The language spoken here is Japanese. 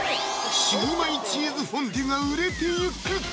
焼売チーズフォンデュが売れていく！